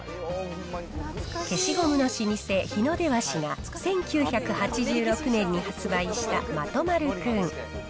消しゴムの老舗、ヒノデワシが１９８６年に発売したまとまるくん。